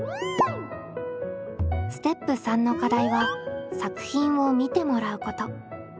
ステップ３の課題は「作品を見てもらう」こと。